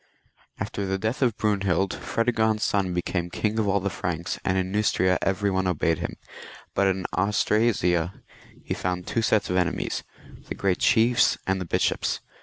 After the death of Brunehild, Fredegond's son became King of all the Franks, and in Neustria every one obeyed him ; but in Austrasia he found two sets of enemies, the great chiefs and the bishops.